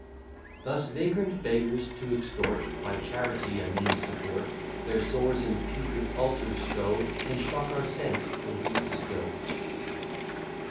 Thus vagrant beggars, to extort By charity a mean support, Their sores and putrid ulcers show, And shock our sense till we bestow.